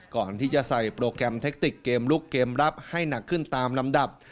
ก่อนที่จะใส่โปรแกรมเทคติกเกมลุกเกมรับให้หนักขึ้นตามลำดับ